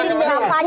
ini berapa aja